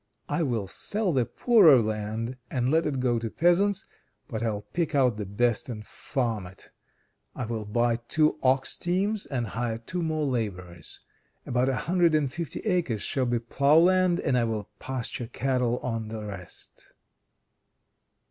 I will sell the poorer land, or let it to peasants, but I'll pick out the best and farm it. I will buy two ox teams, and hire two more laborers. About a hundred and fifty acres shall be plough land, and I will pasture cattle on the rest."